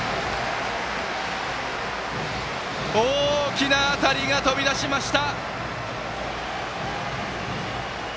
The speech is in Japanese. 大きな当たりが飛び出しました！